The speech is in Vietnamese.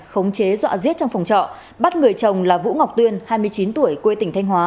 khống chế dọa giết trong phòng trọ bắt người chồng là vũ ngọc tuyên hai mươi chín tuổi quê tỉnh thanh hóa